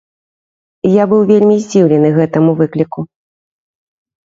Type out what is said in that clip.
Я быў вельмі здзіўлены гэтаму выкліку.